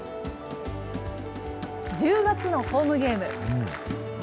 １０月のホームゲーム。